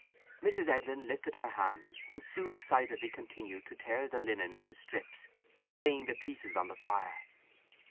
Mrs. Edlin lifted her hands, and Sue excitedly continued to tear the linen into strips, laying the pieces in the fire.